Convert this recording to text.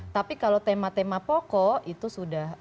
tapi kalau tema tema pokok itu sudah